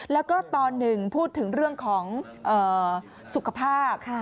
แล้วก็ตอนหนึ่งพูดถึงเรื่องของสุขภาพ